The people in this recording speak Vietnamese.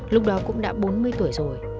lúc đó cũng đã bốn mươi tuổi rồi